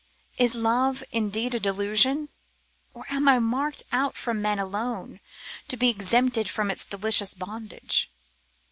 Is love indeed a delusion, or am I marked out from men alone to be exempted from its delicious bondage?